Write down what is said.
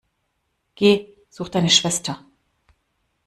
Geh, such deine Schwester!